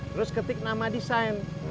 terus ketik nama desain